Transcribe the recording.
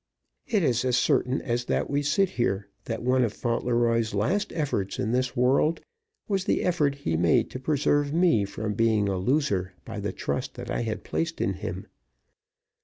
It is as certain as that we sit here that one of Fauntleroy's last efforts in this world was the effort he made to preserve me from being a loser by the trust that I had placed in him.